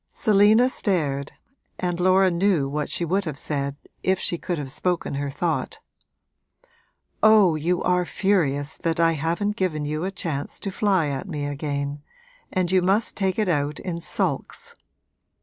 Selina stared and Laura knew what she would have said if she could have spoken her thought. 'Oh, you are furious that I haven't given you a chance to fly at me again, and you must take it out in sulks!'